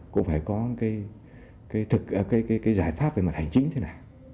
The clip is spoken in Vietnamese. cũng phải có cái giải pháp về mặt hành chính thế nào